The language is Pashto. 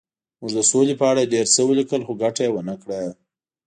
موږ د سولې په اړه ډېر څه ولیکل خو ګټه یې ونه کړه